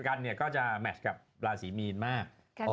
กันเนี่ยก็จะแมชกับราศีมีนมาก